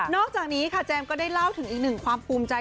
อกจากนี้ค่ะแจมก็ได้เล่าถึงอีกหนึ่งความภูมิใจ